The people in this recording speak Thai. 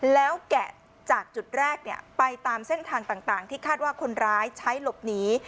แล้วแกะจากจุดแรกไปตามเส้นทางต่างที่คาดว่าคนร้ายใช้หลบหนี